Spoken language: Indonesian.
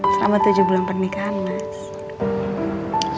selama tujuh bulan pernikahan mas